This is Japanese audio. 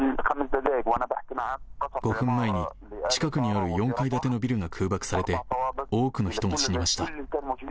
５分前に、近くにある４階建てのビルが空爆されて、多くの人が死にました。